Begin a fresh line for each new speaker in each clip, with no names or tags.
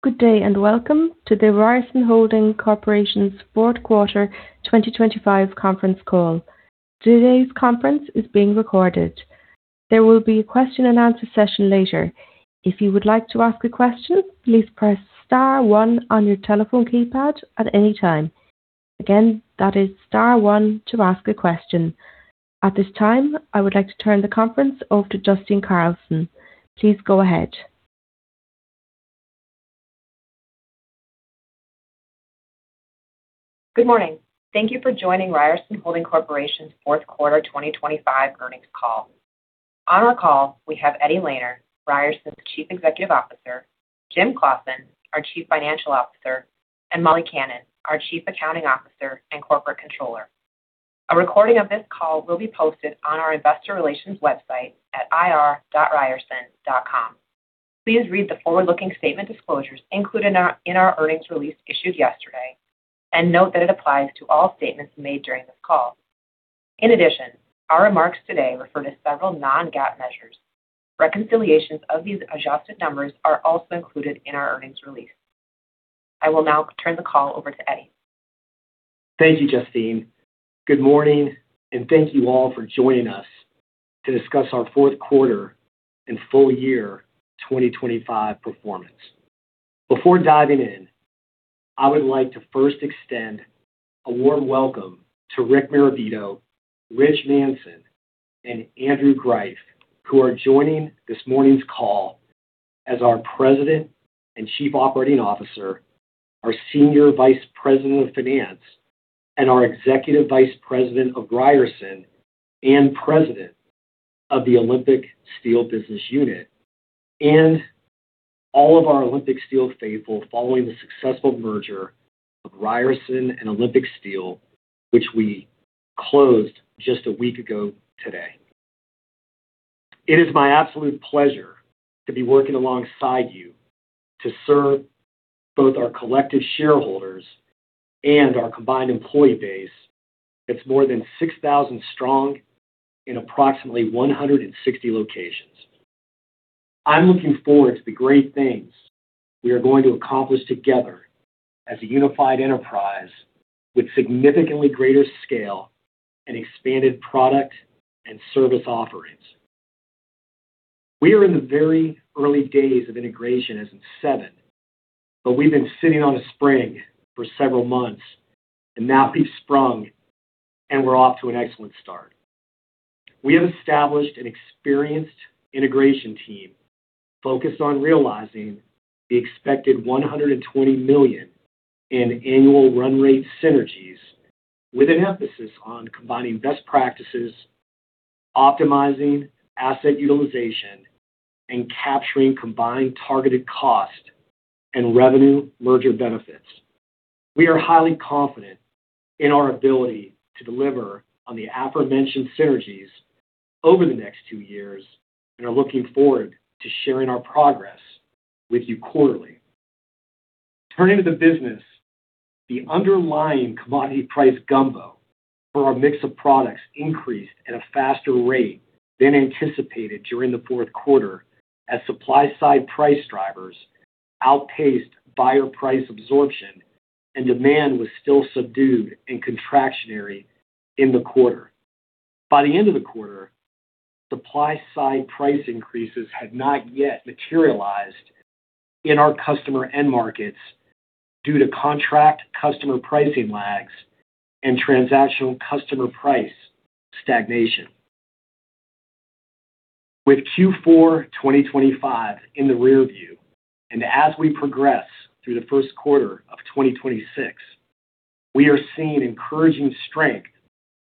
Good day, and welcome to the Ryerson Holding Corporation's Fourth Quarter 2025 Conference Call. Today's conference is being recorded. There will be a question-and-answer session later. If you would like to ask a question, please press star one on your telephone keypad at any time. Again, that is star one to ask a question. At this time, I would like to turn the conference over to Justine Carlson. Please go ahead.
Good morning. Thank you for joining Ryerson Holding Corporation's Fourth Quarter 2025 Earnings Call. On our call, we have Eddie Lehner, Ryerson's Chief Executive Officer, Jim Claussen, our Chief Financial Officer, and Molly Kannan, our Chief Accounting Officer and Corporate Controller. A recording of this call will be posted on our investor relations website at ir.ryerson.com. Please read the forward-looking statement disclosures included in our, in our earnings release issued yesterday, and note that it applies to all statements made during this call. In addition, our remarks today refer to several non-GAAP measures. Reconciliations of these adjusted numbers are also included in our earnings release. I will now turn the call over to Eddie.
Thank you, Justine. Good morning, and thank you all for joining us to discuss our fourth quarter and full year 2025 performance. Before diving in, I would like to first extend a warm welcome to Rick Marabito, Rich Manson, and Andrew Greiff, who are joining this morning's call as our President and Chief Operating Officer, our Senior Vice President of Finance, and our Executive Vice President of Ryerson and President of the Olympic Steel Business Unit, and all of our Olympic Steel faithful, following the successful merger of Ryerson and Olympic Steel, which we closed just a week ago today. It is my absolute pleasure to be working alongside you to serve both our collective shareholders and our combined employee base. That's more than 6,000 strong in approximately 160 locations. I'm looking forward to the great things we are going to accomplish together as a unified enterprise with significantly greater scale and expanded product and service offerings. We are in the very early days of integration as in seven, but we've been sitting on a spring for several months, and now we've sprung, and we're off to an excellent start. We have established an experienced integration team focused on realizing the expected $120 million in annual run rate synergies, with an emphasis on combining best practices, optimizing asset utilization, and capturing combined targeted cost and revenue merger benefits. We are highly confident in our ability to deliver on the aforementioned synergies over the next two years and are looking forward to sharing our progress with you quarterly. Turning to the business, the underlying commodity price gumbo for our mix of products increased at a faster rate than anticipated during the fourth quarter, as supply-side price drivers outpaced buyer price absorption and demand was still subdued and contractionary in the quarter. By the end of the quarter, supply-side price increases had not yet materialized in our customer end markets due to contract customer pricing lags and transactional customer price stagnation. With Q4 2025 in the rearview, and as we progress through the first quarter of 2026, we are seeing encouraging strength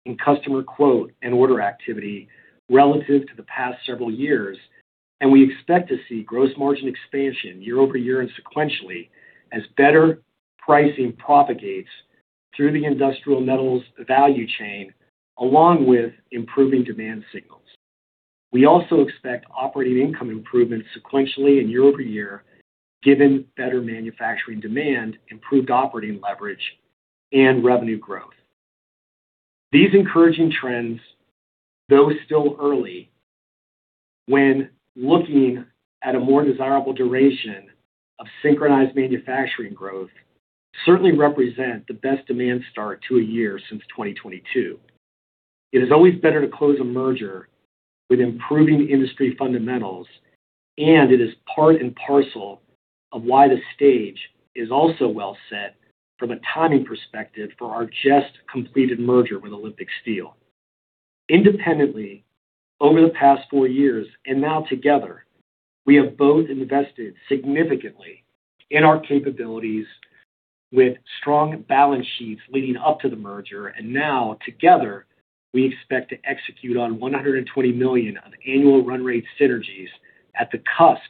in customer quote and order activity relative to the past several years, and we expect to see gross margin expansion year-over-year and sequentially as better pricing propagates through the industrial metals value chain, along with improving demand signals. We also expect operating income improvements sequentially and year-over-year, given better manufacturing demand, improved operating leverage, and revenue growth. These encouraging trends, though still early, when looking at a more desirable duration of synchronized manufacturing growth, certainly represent the best demand start to a year since 2022. It is always better to close a merger with improving industry fundamentals, and it is part and parcel of why the stage is also well set from a timing perspective for our just completed merger with Olympic Steel. Independently, over the past four years and now together, we have both invested significantly in our capabilities with strong balance sheets leading up to the merger, and now together, we expect to execute on $120 million of annual run rate synergies at the cusp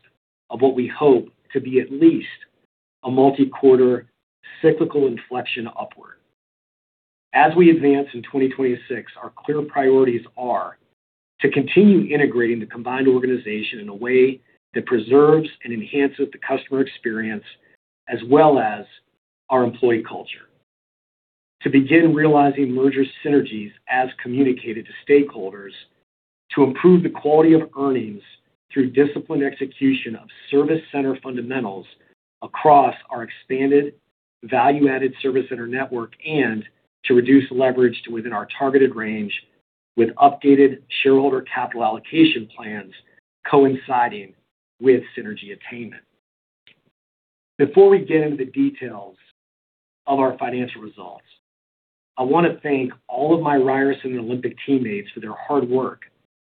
of what we hope to be at least a multi-quarter cyclical inflection upward. As we advance in 2026, our clear priorities are to continue integrating the combined organization in a way that preserves and enhances the customer experience as well as our employee culture, to begin realizing merger synergies as communicated to stakeholders, to improve the quality of earnings through disciplined execution of service center fundamentals across our expanded value-added service center network, and to reduce leverage to within our targeted range, with updated shareholder capital allocation plans coinciding with synergy attainment. Before we get into the details of our financial results, I want to thank all of my Ryerson and Olympic teammates for their hard work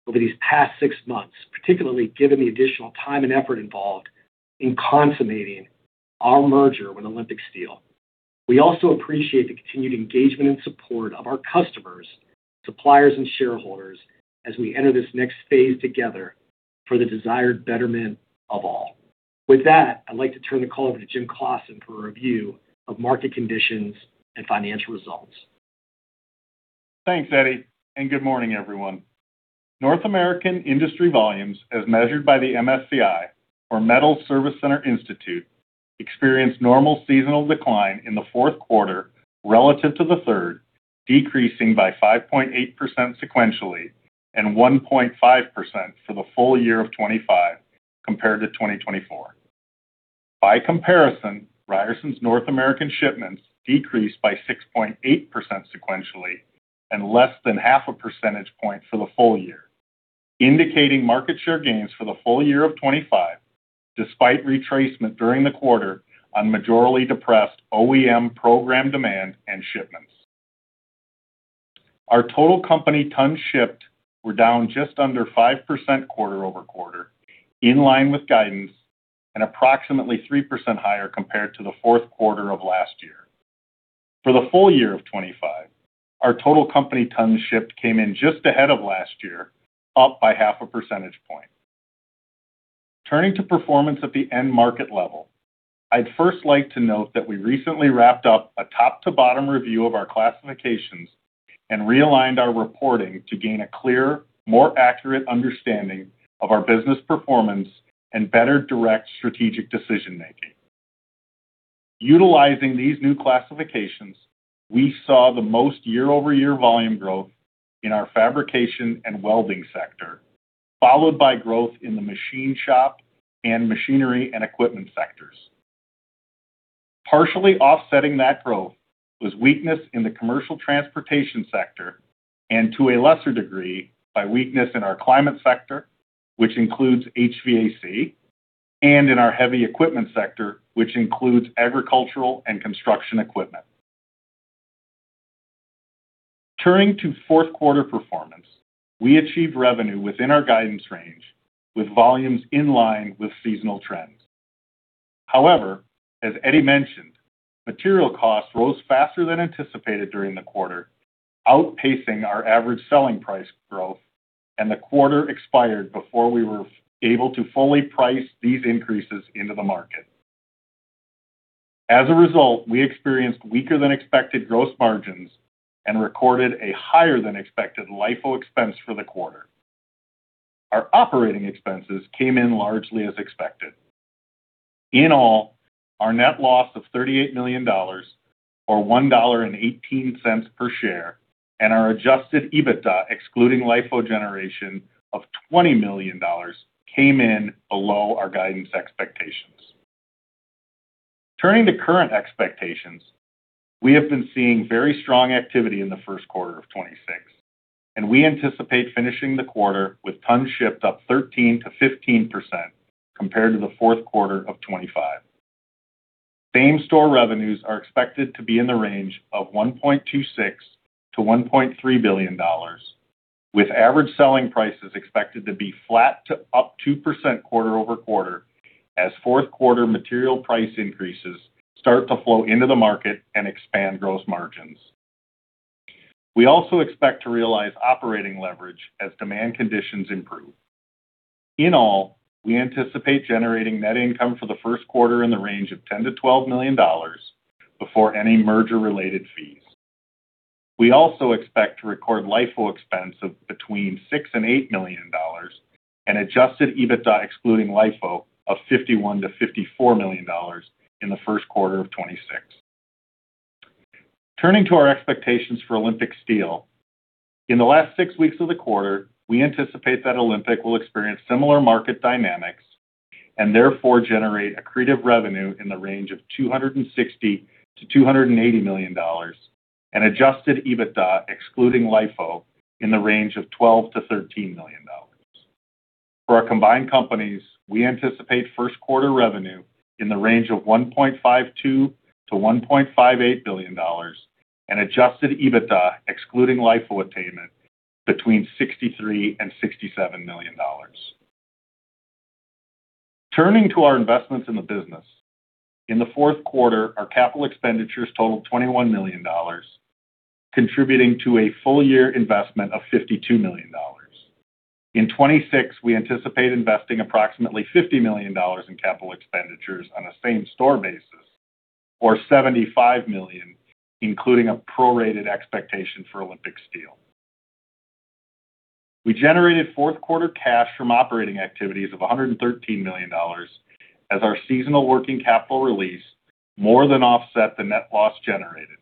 over these past six months, particularly given the additional time and effort involved in consummating our merger with Olympic Steel. We also appreciate the continued engagement and support of our customers, suppliers, and shareholders as we enter this next phase together for the desired betterment of all. With that, I'd like to turn the call over to Jim Claussen for a review of market conditions and financial results.
Thanks, Eddie, and good morning, everyone. North American industry volumes, as measured by the MSCI or Metal Service Center Institute, experienced normal seasonal decline in the fourth quarter relative to the third, decreasing by 5.8% sequentially and 1.5% for the full year of 2025 compared to 2024. By comparison, Ryerson's North American shipments decreased by 6.8% sequentially and less than 0.5 percentage points for the full year, indicating market share gains for the full year of 2025, despite retracement during the quarter on majorly depressed OEM program demand and shipments. Our total company tons shipped were down just under 5% quarter-over-quarter, in line with guidance and approximately 3% higher compared to the fourth quarter of last year. For the full year of 2025, our total company tons shipped came in just ahead of last year, up by 0.5 percentage points. Turning to performance at the end market level, I'd first like to note that we recently wrapped up a top-to-bottom review of our classifications and realigned our reporting to gain a clearer, more accurate understanding of our business performance and better direct strategic decision-making. Utilizing these new classifications, we saw the most year-over-year volume growth in our fabrication and welding sector, followed by growth in the machine shop and machinery and equipment sectors. Partially offsetting that growth was weakness in the commercial transportation sector and, to a lesser degree, by weakness in our climate sector, which includes HVAC, and in our heavy equipment sector, which includes agricultural and construction equipment. Turning to fourth-quarter performance, we achieved revenue within our guidance range, with volumes in line with seasonal trends. However, as Eddie mentioned, material costs rose faster than anticipated during the quarter, outpacing our average selling price growth, and the quarter expired before we were able to fully price these increases into the market. As a result, we experienced weaker-than-expected gross margins and recorded a higher-than-expected LIFO expense for the quarter. Our operating expenses came in largely as expected. In all, our net loss of $38 million or $1.18 per share, and our adjusted EBITDA, excluding LIFO generation of $20 million, came in below our guidance expectations. Turning to current expectations, we have been seeing very strong activity in the first quarter of 2026, and we anticipate finishing the quarter with tons shipped up 13%-15% compared to the fourth quarter of 2025. Same-store revenues are expected to be in the range of $1.26 billion-$1.3 billion, with average selling prices expected to be flat to up 2% quarter-over-quarter, as fourth-quarter material price increases start to flow into the market and expand gross margins. We also expect to realize operating leverage as demand conditions improve. In all, we anticipate generating net income for the first quarter in the range of $10 million to $12 million before any merger-related fees. We also expect to record LIFO expense of between $6 million and $8 million and adjusted EBITDA, excluding LIFO, of $51 million to $54 million in the first quarter of 2026. Turning to our expectations for Olympic Steel. In the last six weeks of the quarter, we anticipate that Olympic will experience similar market dynamics and therefore generate accretive revenue in the range of $260 million to $280 million and adjusted EBITDA, excluding LIFO, in the range of $12 million to $13 million. For our combined companies, we anticipate first-quarter revenue in the range of $1.52 billion-$1.58 billion and adjusted EBITDA, excluding LIFO attainment, between $63 million and $67 million. Turning to our investments in the business. In the fourth quarter, our capital expenditures totaled $21 million, contributing to a full-year investment of $52 million. In 2026, we anticipate investing approximately $50 million in capital expenditures on a same-store basis, or $75 million, including a prorated expectation for Olympic Steel We generated fourth quarter cash from operating activities of $113 million as our seasonal working capital release more than offset the net loss generated.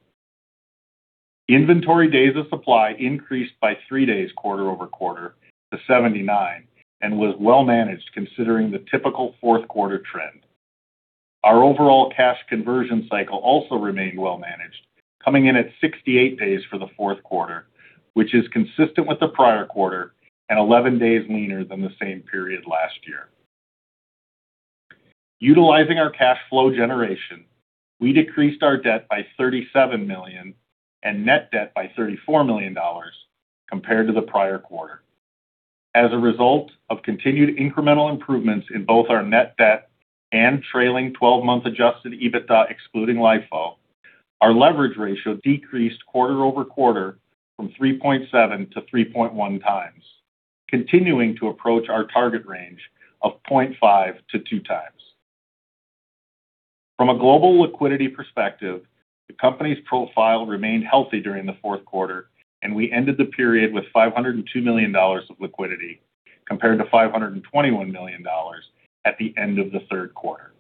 Inventory days of supply increased by 3 days quarter-over-quarter to 79, and was well-managed considering the typical fourth quarter trend. Our overall cash conversion cycle also remained well managed, coming in at 68 days for the fourth quarter, which is consistent with the prior quarter and 11 days leaner than the same period last year. Utilizing our cash flow generation, we decreased our debt by $37 million and net debt by $34 million compared to the prior quarter. As a result of continued incremental improvements in both our net debt and trailing twelve-month adjusted EBITDA excluding LIFO, our leverage ratio decreased quarter-over-quarter from 3.7 to 3.1 times, continuing to approach our target range of 0.5-2 times. From a global liquidity perspective, the company's profile remained healthy during the fourth quarter, and we ended the period with $502 million of liquidity, compared to $521 million at the end of the third quarter.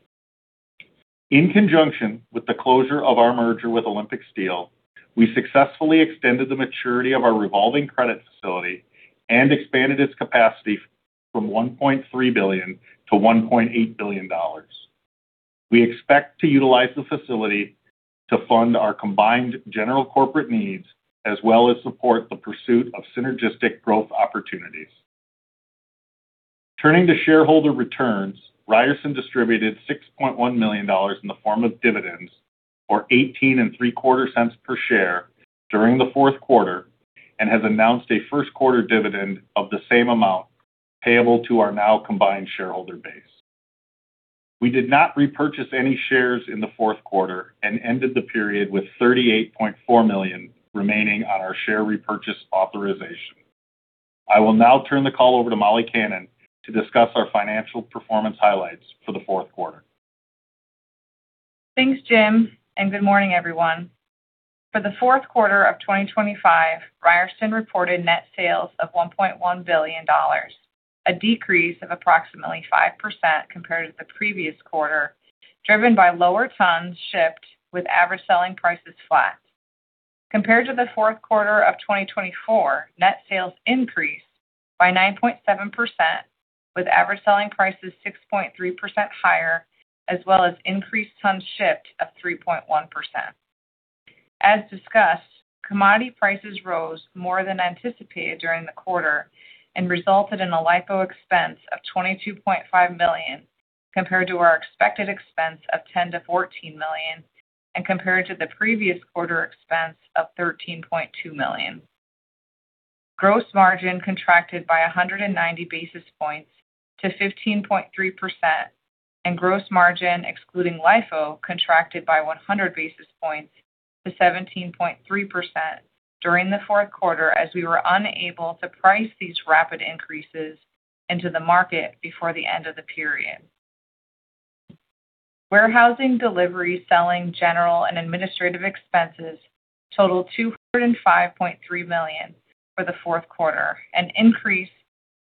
In conjunction with the closure of our merger with Olympic Steel, we successfully extended the maturity of our revolving credit facility and expanded its capacity from $1.3 billion to $1.8 billion. We expect to utilize the facility to fund our combined general corporate needs, as well as support the pursuit of synergistic growth opportunities. Turning to shareholder returns, Ryerson distributed $6.1 million in the form of dividends, or $0.1875 per share during the fourth quarter, and has announced a first quarter dividend of the same amount payable to our now combined shareholder base. We did not repurchase any shares in the fourth quarter and ended the period with $38.4 million remaining on our share repurchase authorization. I will now turn the call over to Molly Kannan to discuss our financial performance highlights for the fourth quarter.
Thanks, Jim, and good morning, everyone. For the fourth quarter of 2025, Ryerson reported net sales of $1.1 billion, a decrease of approximately 5% compared to the previous quarter, driven by lower tons shipped with average selling prices flat. Compared to the fourth quarter of 2024, net sales increased by 9.7%, with average selling prices 6.3% higher, as well as increased tons shipped of 3.1%. As discussed, commodity prices rose more than anticipated during the quarter and resulted in a LIFO expense of $22.5 million, compared to our expected expense of $10 million to $14 million, and compared to the previous quarter expense of $13.2 million. Gross margin contracted by 190 basis points to 15.3%, and gross margin, excluding LIFO, contracted by 100 basis points to 17.3% during the fourth quarter, as we were unable to price these rapid increases into the market before the end of the period. Warehousing, delivery, selling, general, and administrative expenses totaled $205.3 million for the fourth quarter, an increase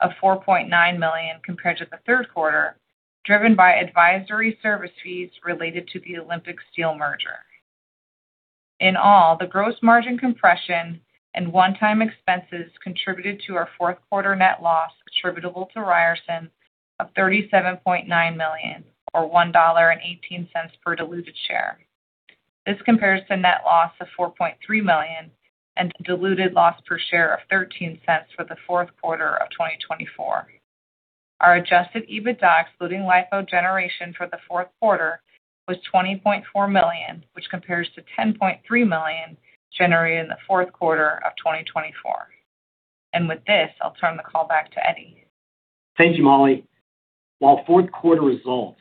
of $4.9 million compared to the third quarter, driven by advisory service fees related to the Olympic Steel merger. In all, the gross margin compression and one-time expenses contributed to our fourth quarter net loss attributable to Ryerson of $37.9 million, or $1.18 per diluted share. This compares to net loss of $4.3 million and diluted loss per share of $0.13 for the fourth quarter of 2024. Our adjusted EBITDA, excluding LIFO generation for the fourth quarter, was $20.4 million, which compares to $10.3 million generated in the fourth quarter of 2024. With this, I'll turn the call back to Eddie.
Thank you, Molly. While fourth quarter results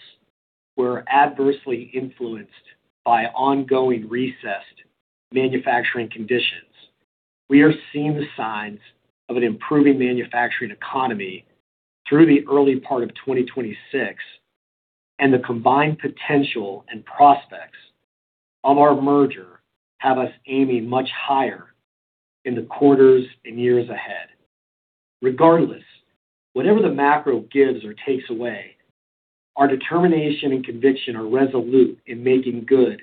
were adversely influenced by ongoing recessed manufacturing conditions, we are seeing the signs of an improving manufacturing economy through the early part of 2026, and the combined potential and prospects of our merger have us aiming much higher in the quarters and years ahead. Regardless, whatever the macro gives or takes away, our determination and conviction are resolute in making good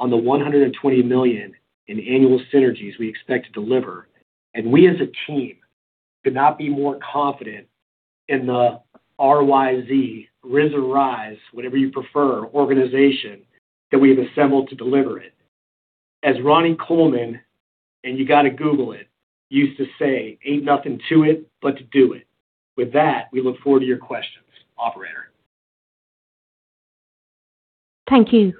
on the $120 million in annual synergies we expect to deliver. We, as a team, could not be more confident in the RYZ, RIZ or Rise, whatever you prefer, organization that we have assembled to deliver it. As Ronnie Coleman, and you got to Google it, used to say, "Ain't nothing to it, but to do it." With that, we look forward to your questions. Operator?
Thank you.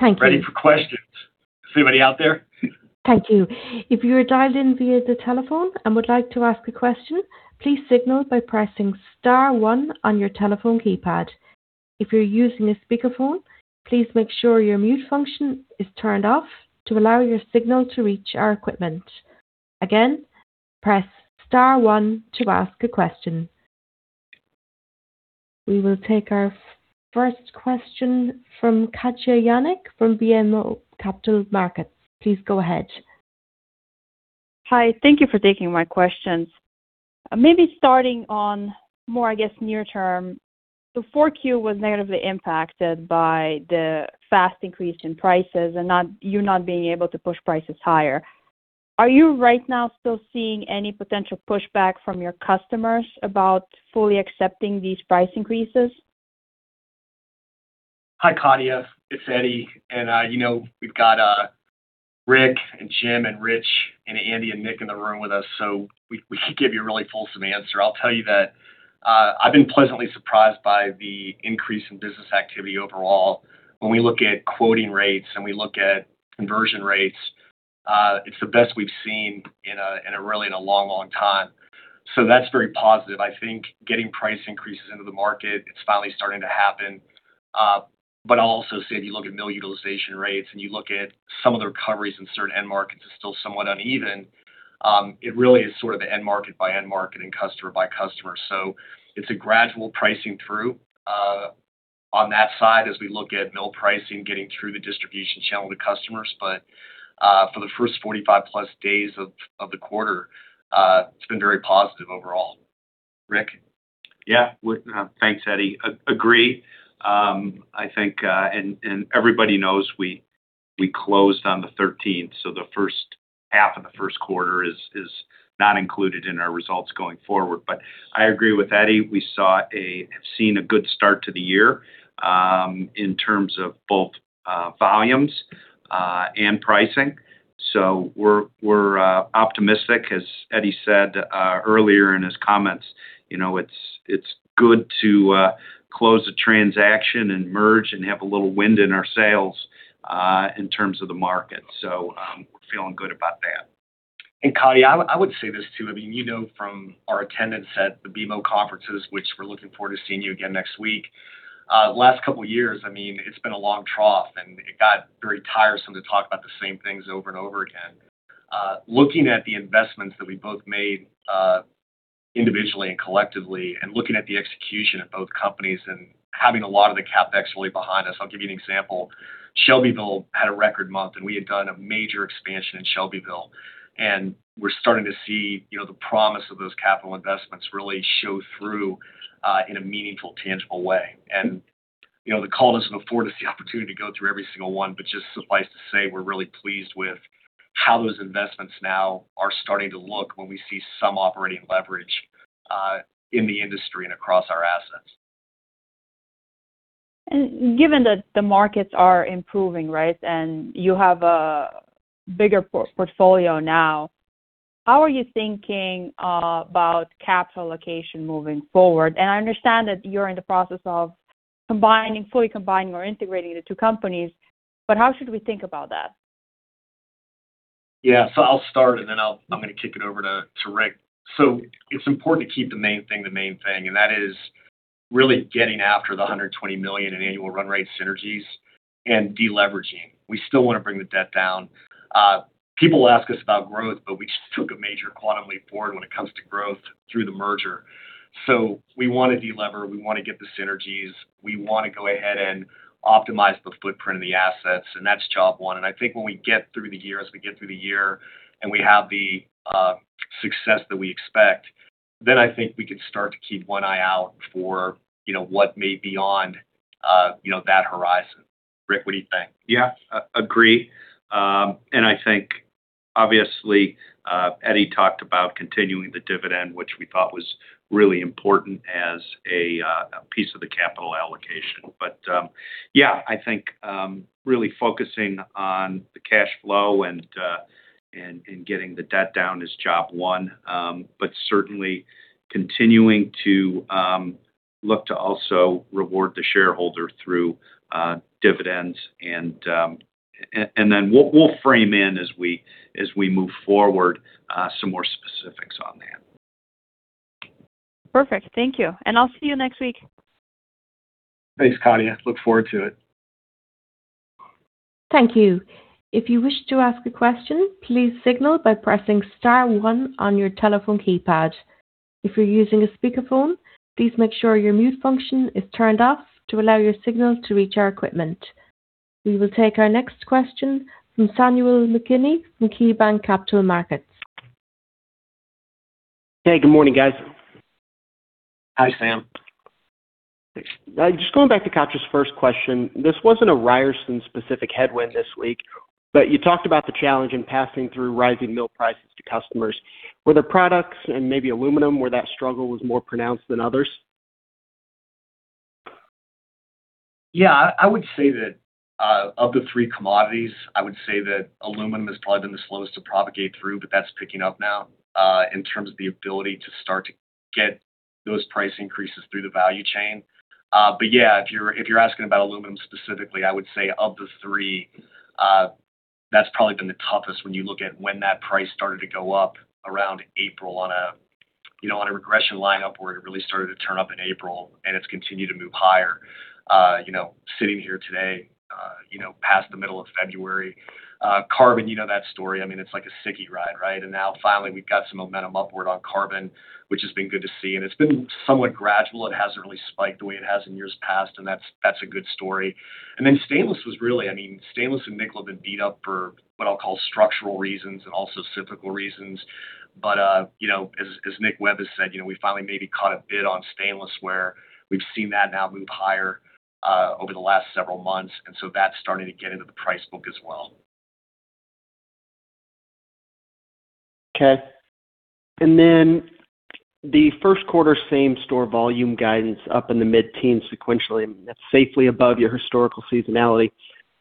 Ready for questions. Is anybody out there?
Thank you. If you are dialed in via the telephone and would like to ask a question, please signal by pressing star one on your telephone keypad. If you're using a speakerphone, please make sure your mute function is turned off to allow your signal to reach our equipment. Again, press star one to ask a question. We will take our first question from Katja Jancic, from BMO Capital Markets. Please go ahead.
Hi. Thank you for taking my questions. Maybe starting on more, I guess, near term, the 4Q was negatively impacted by the fast increase in prices and not you being able to push prices higher. Are you right now still seeing any potential pushback from your customers about fully accepting these price increases?
Hi, Katja. It's Eddie, and you know, we've got Rick and Jim and Rich and Andy and Nick in the room with us, so we should give you a really fulsome answer. I'll tell you that I've been pleasantly surprised by the increase in business activity overall. When we look at quoting rates, and we look at conversion rates, it's the best we've seen in a really long, long time. So that's very positive. I think getting price increases into the market, it's finally starting to happen. But I'll also say, if you look at mill utilization rates, and you look at some of the recoveries in certain end markets, it's still somewhat uneven. It really is sort of the end market by end market and customer by customer. So it's a gradual pricing through, on that side, as we look at mill pricing, getting through the distribution channel to customers. But, for the first 45+ days of the quarter, it's been very positive overall. Rick?
Yeah. Thanks, Eddie. Agree. I think, and everybody knows we closed on the thirteenth, so the first half of the first quarter is not included in our results going forward. But I agree with Eddie, we have seen a good start to the year, in terms of both volumes and pricing. So we're optimistic, as Eddie said, earlier in his comments. You know, it's good to close a transaction and merge and have a little wind in our sails, in terms of the market. So, we're feeling good about that.
Katja, I would say this, too, I mean, you know, from our attendance at the BMO conferences, which we're looking forward to seeing you again next week. The last couple of years, I mean, it's been a long trough, and it got very tiresome to talk about the same things over and over again. Looking at the investments that we both made, individually and collectively, and looking at the execution of both companies and having a lot of the CapEx really behind us. I'll give you an example. Shelbyville had a record month, and we had done a major expansion in Shelbyville, and we're starting to see, you know, the promise of those capital investments really show through, in a meaningful, tangible way. You know, the call doesn't afford us the opportunity to go through every single one, but just suffice to say, we're really pleased with how those investments now are starting to look when we see some operating leverage in the industry and across our assets.
Given that the markets are improving, right? You have a bigger portfolio now, how are you thinking about capital allocation moving forward? I understand that you're in the process of combining, fully combining or integrating the two companies, but how should we think about that?
Yeah. So I'll start, and then I'm gonna kick it over to Rick. So it's important to keep the main thing, the main thing, and that is really getting after the $120 million in annual run rate synergies and deleveraging. We still wanna bring the debt down. People ask us about growth, but we just took a major quantum leap forward when it comes to growth through the merger. So we wanna delever, we wanna get the synergies, we wanna go ahead and optimize the footprint of the assets, and that's job one. And I think when we get through the year, as we get through the year, and we have the success that we expect, then I think we can start to keep one eye out for, you know, what may be on, you know, that horizon. Rick, what do you think?
Yeah, I agree. And I think obviously, Eddie talked about continuing the dividend, which we thought was really important as a piece of the capital allocation. But yeah, I think really focusing on the cash flow and and getting the debt down is job one, but certainly continuing to look to also reward the shareholder through dividends and then we'll frame in as we move forward some more specifics on that.
Perfect. Thank you, and I'll see you next week.
Thanks, Katja. Look forward to it.
Thank you. If you wish to ask a question, please signal by pressing star one on your telephone keypad. If you're using a speakerphone, please make sure your mute function is turned off to allow your signal to reach our equipment. We will take our next question from Samuel McKinney, KeyBanc Capital Markets.
Hey, good morning, guys.
Hi, Sam.
Thanks.
Just going back to Katja's first question, this wasn't a Ryerson specific headwind this week, but you talked about the challenge in passing through rising mill prices to customers. Were there products and maybe aluminum, where that struggle was more pronounced than others?
Yeah, I would say that of the three commodities, I would say that aluminum has probably been the slowest to propagate through, but that's picking up now in terms of the ability to start to get those price increases through the value chain. But yeah, if you're asking about aluminum specifically, I would say of the three, that's probably been the toughest when you look at when that price started to go up around April on a, you know, on a regression line up, where it really started to turn up in April, and it's continued to move higher. You know, sitting here today, you know, past the middle of February. Carbon, you know that story. I mean, it's like a sicky ride, right? And now, finally, we've got some momentum upward on carbon, which has been good to see, and it's been somewhat gradual. It hasn't really spiked the way it has in years past, and that's a good story. And then stainless was really, I mean, stainless and nickel have been beat up for what I'll call structural reasons and also cyclical reasons. But, you know, as Nick Webb has said, you know, we finally maybe caught a bid on stainless, where we've seen that now move higher, over the last several months, and so that's starting to get into the price book as well.
Okay. And then the first quarter same-store volume guidance up in the mid-teens sequentially, that's safely above your historical seasonality.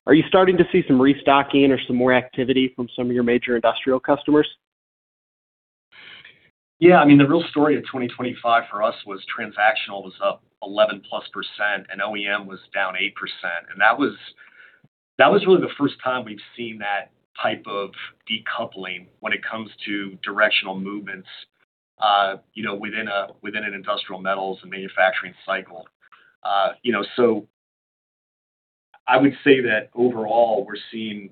Are you starting to see some restocking or some more activity from some of your major industrial customers?
Yeah, I mean, the real story of 2025 for us was transactional was up 11%+, and OEM was down 8%. And that was, that was really the first time we've seen that type of decoupling when it comes to directional movements, you know, within a, within an industrial metals and manufacturing cycle. You know, so I would say that overall, we're seeing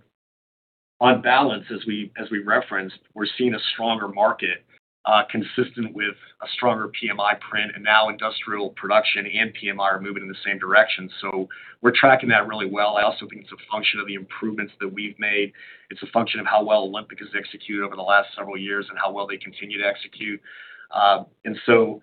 on balance, as we, as we referenced, we're seeing a stronger market, consistent with a stronger PMI print, and now industrial production and PMI are moving in the same direction. So we're tracking that really well. I also think it's a function of the improvements that we've made. It's a function of how well Olympic has executed over the last several years and how well they continue to execute and so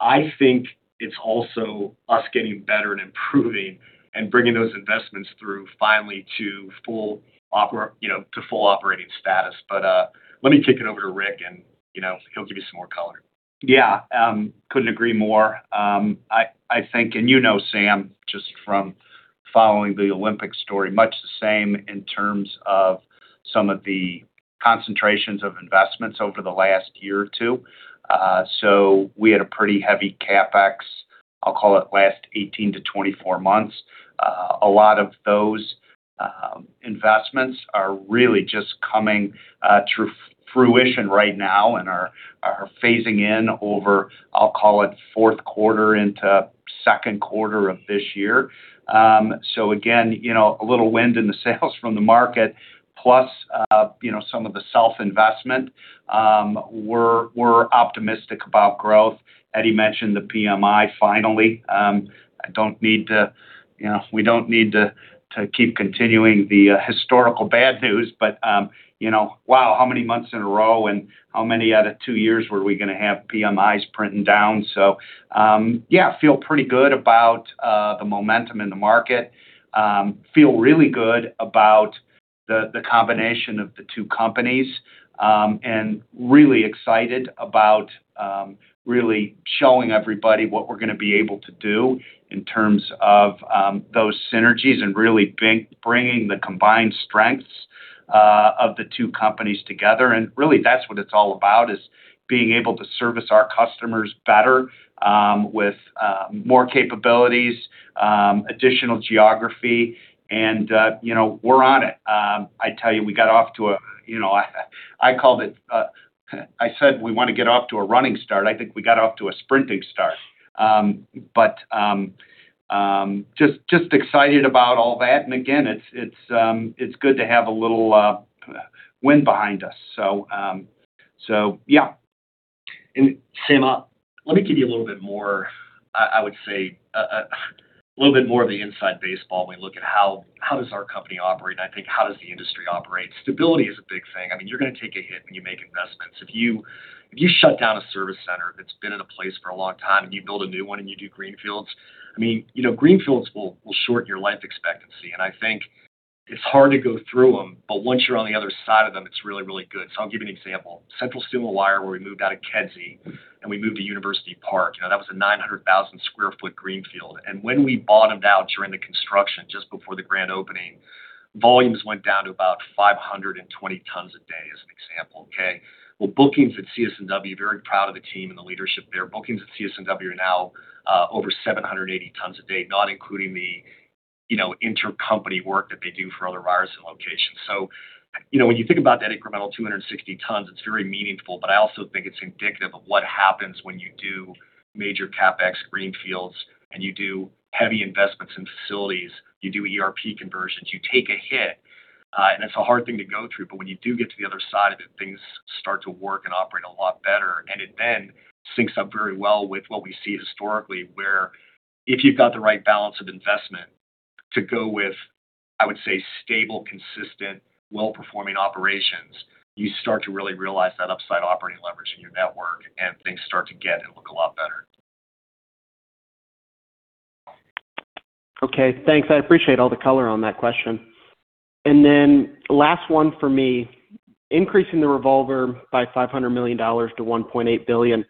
I think it's also us getting better and improving and bringing those investments through finally to full operating status. But, let me kick it over to Rick, and, you know, he'll give you some more color.
Yeah, couldn't agree more. I think, and you know, Sam, just from following the Olympic story, much the same in terms of some of the concentrations of investments over the last year or two. So we had a pretty heavy CapEx, I'll call it last 18-24 months. A lot of those investments are really just coming to fruition right now and are phasing in over, I'll call it fourth quarter into second quarter of this year. So again, you know, a little wind in the sails from the market, plus, you know, some of the self-investment. We're optimistic about growth. Eddie mentioned the PMI, finally. I don't need to, you know, we don't need to keep continuing the historical bad news, but you know, wow, how many months in a row and how many out of two years were we going to have PMIs printing down? So, yeah, feel pretty good about the momentum in the market. Feel really good about the combination of the two companies, and really excited about really showing everybody what we're going to be able to do in terms of those synergies and really bringing the combined strengths of the two companies together. And really, that's what it's all about, is being able to service our customers better with more capabilities, additional geography, and you know, we're on it. I tell you, we got off to a, you know, I called it, I said we want to get off to a running start. I think we got off to a sprinting start. But just excited about all that. And again, it's good to have a little wind behind us. So, yeah.
And Sam, let me give you a little bit more. I would say a little bit more of the inside baseball when we look at how does our company operate. I think, how does the industry operate? Stability is a big thing. I mean, you're going to take a hit when you make investments. If you shut down a service center that's been in a place for a long time, and you build a new one and you do greenfields, I mean, you know, greenfields will shorten your life expectancy, and I think it's hard to go through them, but once you're on the other side of them, it's really, really good. So I'll give you an example. Central Steel and Wire, where we moved out of Kedzie, and we moved to University Park, you know, that was a 900,000 sq ft greenfield. And when we bottomed out during the construction, just before the grand opening, volumes went down to about 520 tons a day, as an example, okay? Well, bookings at CSW, very proud of the team and the leadership there. Bookings at CSW are now, over 780 tons a day, not including the, you know, intercompany work that they do for other Ryerson locations. So, you know, when you think about that incremental 260 tons, it's very meaningful, but I also think it's indicative of what happens when you do major CapEx greenfields, and you do heavy investments in facilities, you do ERP conversions, you take a hit, and it's a hard thing to go through, but when you do get to the other side of it, things start to work and operate a lot better. And it then syncs up very well with what we see historically, where if you've got the right balance of investment to go with, I would say, stable, consistent, well-performing operations, you start to really realize that upside operating leverage in your network, and things start to get and look a lot better.
Okay, thanks. I appreciate all the color on that question. Last one for me. Increasing the revolver by $500 million to $1.8 billion.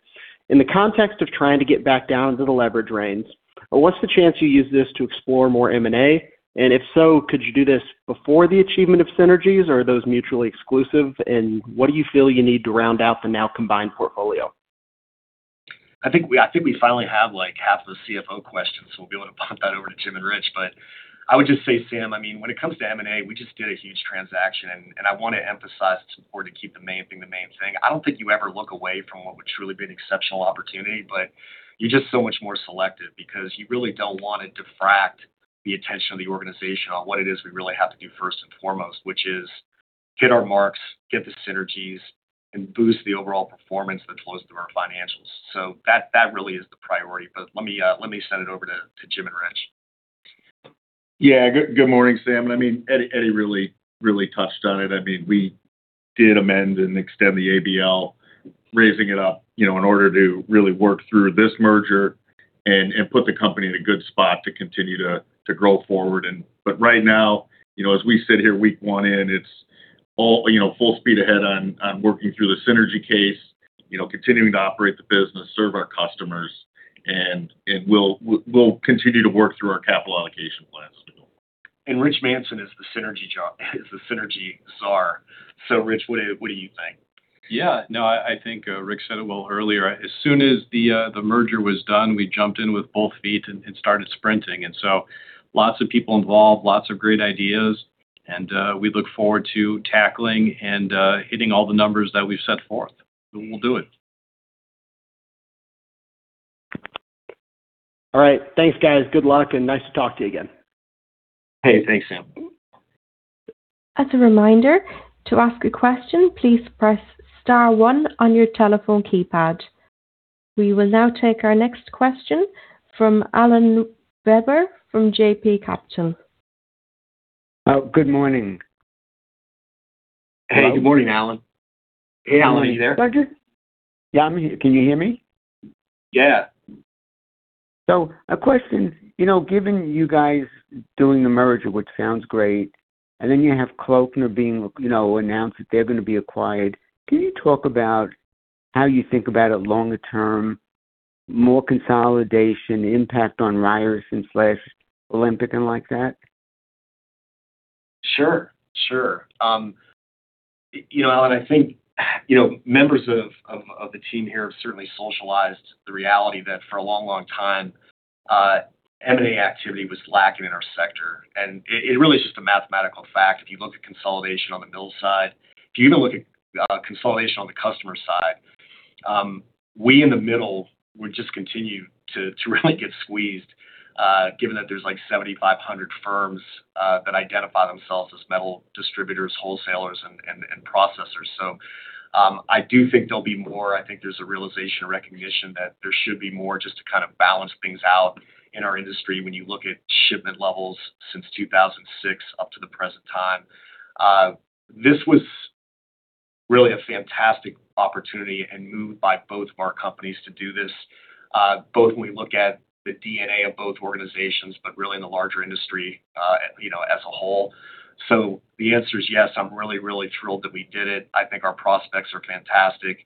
In the context of trying to get back down to the leverage range. What's the chance you use this to explore more M&A? And if so, could you do this before the achievement of synergies, or are those mutually exclusive? And what do you feel you need to round out the now combined portfolio?
I think we finally have, like, half the CFO questions, so we'll be able to pop that over to Jim and Rich. But I would just say, Sam, I mean, when it comes to M&A, we just did a huge transaction, and I want to emphasize to the board, to keep the main thing, the main thing. I don't think you ever look away from what would truly be an exceptional opportunity, but you're just so much more selective because you really don't want to distract the attention of the organization on what it is we really have to do first and foremost, which is hit our marks, get the synergies, and boost the overall performance that flows through our financials. So that really is the priority. But let me let me send it over to Jim and Rich.
Yeah, good, good morning, Sam. I mean, Eddie, Eddie really, really touched on it. I mean, we did amend and extend the ABL, raising it up, you know, in order to really work through this merger and put the company in a good spot to continue to grow forward. But right now, you know, as we sit here, week one in, it's all, you know, full speed ahead on working through the synergy case, you know, continuing to operate the business, serve our customers, and we'll continue to work through our capital allocation plans.
Rich Manson is the synergy job, is the synergy czar. Rich, what do, what do you think?
Yeah, no, I think Rick said it a little earlier. As soon as the merger was done, we jumped in with both feet and started sprinting. And so lots of people involved, lots of great ideas, and we look forward to tackling and hitting all the numbers that we've set forth, and we'll do it.
All right. Thanks, guys. Good luck, and nice to talk to you again.
Hey, thanks, Sam.
As a reminder, to ask a question, please press star one on your telephone keypad. We will now take our next question from Alan Weber from JB Capital.
Oh, good morning.
Hey, good morning, Alan. Hey, Alan, are you there?
Yeah, I'm here. Can you hear me?
Yeah.
So, a question. You know, given you guys doing the merger, which sounds great, and then you have Klöckner being, you know, announced that they're going to be acquired, can you talk about how you think about it longer term, more consolidation, impact on Ryerson slash Olympic and like that?
Sure, sure. You know, and I think, you know, members of the team here have certainly socialized the reality that for a long, long time, M&A activity was lacking in our sector. And it really is just a mathematical fact. If you look at consolidation on the mill side, if you even look at consolidation on the customer side, we in the middle would just continue to really get squeezed, given that there's like 7,500 firms that identify themselves as metal distributors, wholesalers, and processors. So, I do think there'll be more. I think there's a realization or recognition that there should be more just to kind of balance things out in our industry when you look at shipment levels since 2006 up to the present time. This was really a fantastic opportunity and moved by both of our companies to do this. Both when we look at the DNA of both organizations, but really in the larger industry, you know, as a whole. So the answer is yes, I'm really, really thrilled that we did it. I think our prospects are fantastic,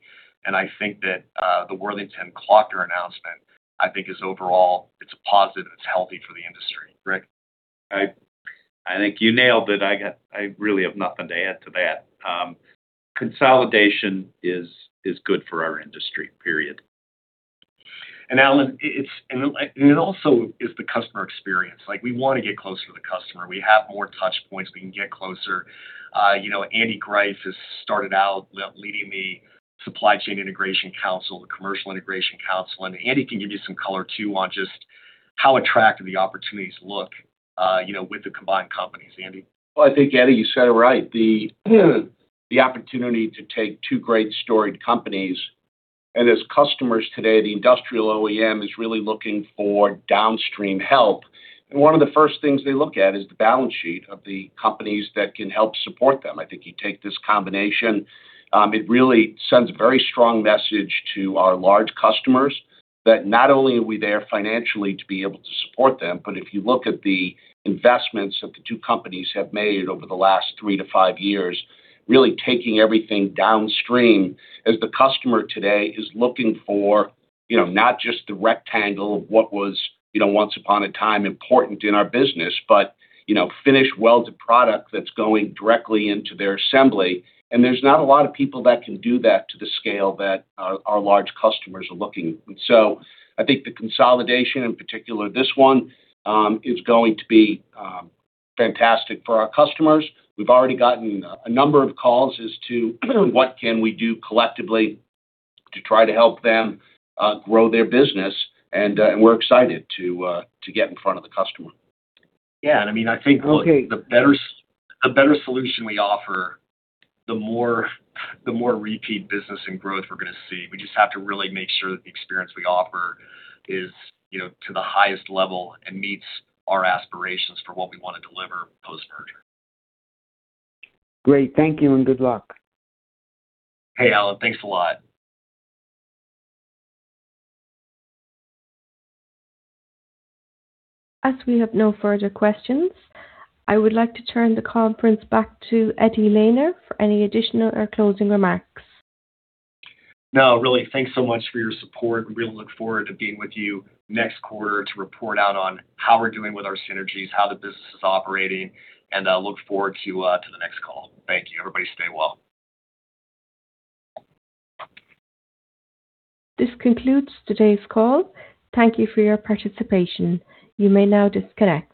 and I think that the Worthington-Klöckner announcement, I think, is overall, it's a positive, and it's healthy for the industry. Rick?
I think you nailed it. I really have nothing to add to that. Consolidation is good for our industry, period.
And, Alan, it's and it also is the customer experience. Like, we want to get closer to the customer. We have more touch points. We can get closer. You know, Andy Greiff has started out leading the Supply Chain Integration Council, the Commercial Integration Council, and Andy can give you some color, too, on just how attractive the opportunities look, you know, with the combined companies. Andy?
Well, I think, Eddie, you said it right. The opportunity to take two great storied companies, and as customers today, the industrial OEM is really looking for downstream help, and one of the first things they look at is the balance sheet of the companies that can help support them. I think you take this combination, it really sends a very strong message to our large customers that not only are we there financially to be able to support them, but if you look at the investments that the two companies have made over the last three to five years, really taking everything downstream, as the customer today is looking for you know, not just the rectangle of what was, you know, once upon a time important in our business, but, you know, finish welded product that's going directly into their assembly, and there's not a lot of people that can do that to the scale that our, our large customers are looking. So I think the consolidation, in particular, this one, is going to be, fantastic for our customers. We've already gotten a number of calls as to what can we do collectively to try to help them, grow their business, and, and we're excited to, to get in front of the customer.
Yeah, and I mean, I think, look, the better solution we offer, the more repeat business and growth we're gonna see. We just have to really make sure that the experience we offer is, you know, to the highest level and meets our aspirations for what we want to deliver post-merger.
Great. Thank you, and good luck.
Hey, Alan, thanks a lot.
As we have no further questions, I would like to turn the conference back to Eddie Lehner for any additional or closing remarks.
No, really, thanks so much for your support. We really look forward to being with you next quarter to report out on how we're doing with our synergies, how the business is operating, and, look forward to, to the next call. Thank you. Everybody, stay well.
This concludes today's call. Thank you for your participation. You may now disconnect.